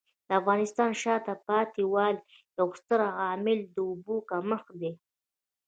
د افغانستان د شاته پاتې والي یو ستر عامل د اوبو کمښت دی.